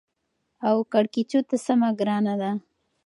او کېړکیچو ته سمه ګرانه ده.